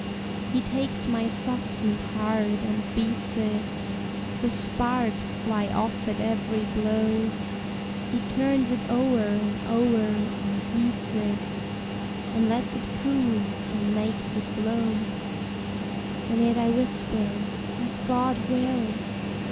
He takes my softened heart and beats it, The sparks fly off at every blow; He turns it o'er and o'er, and heats it, And lets it cool, and makes it glow: And yet I whisper, As God will!